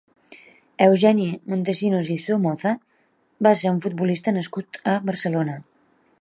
Eugeni Montesinos i Somoza va ser un futbolista nascut a Barcelona.